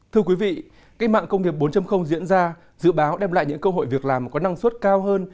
thưa quý vị cách mạng công nghiệp bốn diễn ra dự báo đem lại những cơ hội việc làm có năng suất cao hơn